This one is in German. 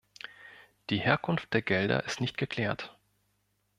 Die Herkunft der Gelder ist nicht geklärt.